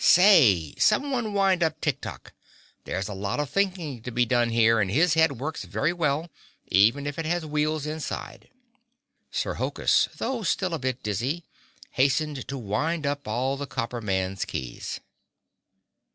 "Say! Some one wind up Tik Tok. There's a lot of thinking to be done here and his head works very well, even if it has wheels inside." Sir Hokus, though still a bit dizzy, hastened to wind up all the Copper Man's keys.